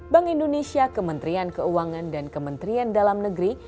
bank indonesia kementerian keuangan dan kementerian dalam negeri